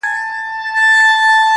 له احوال د وطنونو باخبره٫